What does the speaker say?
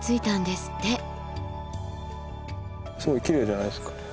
すごいきれいじゃないですか。